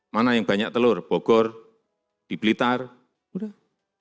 mana yang banyak telur bogor di blitar udah